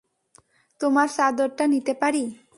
তোমার চাদরটা নিতে পারি?